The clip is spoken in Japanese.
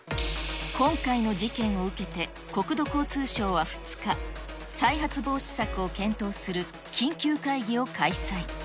今回の事件を受けて、国土交通省は２日、再発防止策を検討する緊急会議を開催。